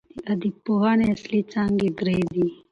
د ادبپوهني اصلي څانګي درې دي.